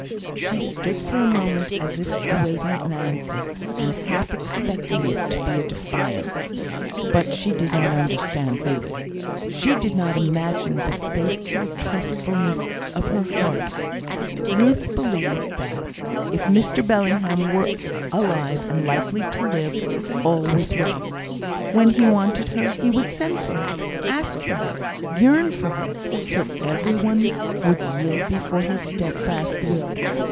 She stood for a moment as if awaiting an answer, and half expecting it to be a defiance. But she did not understand Ruth. She did not imagine the faithful trustfulness of her heart. Ruth believed that if Mr Bellingham was alive and likely to live, all was well. When he wanted her, he would send for her, ask for her, yearn for her, till every one would yield before his steadfast will.